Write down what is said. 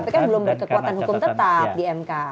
tapi kan belum berkekuatan hukum tetap di mk